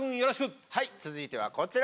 はい続いてはこちら。